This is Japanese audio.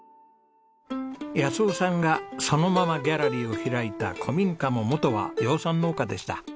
夫さんがそのままギャラリーを開いた古民家も元は養蚕農家でした。